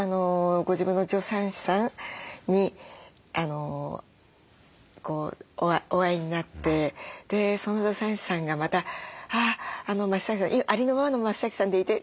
ご自分の助産師さんにお会いになってその助産師さんがまた「ありのままの増さんでいて。